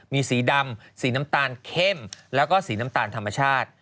มีสีดำสีน้ำตาลเข้มแล้วก็สีน้ำตาลธรรมชาติ